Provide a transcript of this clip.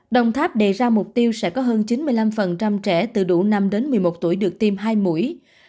đồng tháp đề ra mục tiêu sẽ có hơn chín mươi năm trẻ từ đủ năm đến một mươi một tuổi được tiêm hai mũi